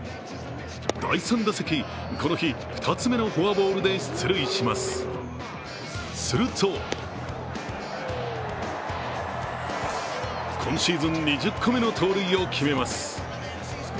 第３打席、この日２つ目のフォアボールで出塁します、すると今シーズン２０個目の盗塁を決めます。